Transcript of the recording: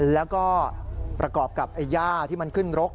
แล้วก็ประกอบกับย่าที่มันขึ้นรก